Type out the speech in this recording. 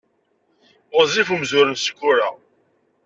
Ɣezzif umzur n Sekkura.